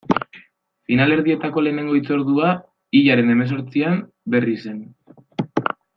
Finalerdietako lehenengo hitzordua, hilaren hemezortzian, Berrizen.